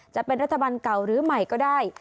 จะเป็นรัฐบาลเก่าหรือใหม่ก็ได้